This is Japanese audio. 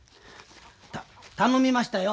頼みましたよ。